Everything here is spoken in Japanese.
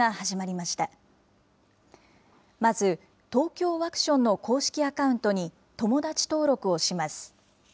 まず、ＴＯＫＹＯワクションの公式アカウントに友だち登録をします。